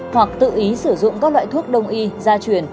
hoặc tự ý sử dụng các loại thuốc đông y gia truyền